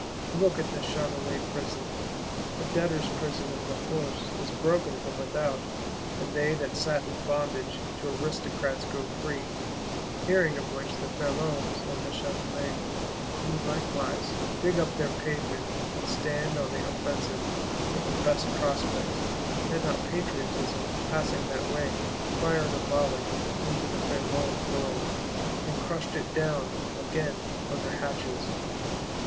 Look also at the Châtelet Prison. The Debtors' Prison of La Force is broken from without; and they that sat in bondage to Aristocrats go free: hearing of which the Felons at the Châtelet do likewise "dig up their pavements," and stand on the offensive; with the best prospects,—had not Patriotism, passing that way, "fired a volley" into the Felon world; and crushed it down again under hatches.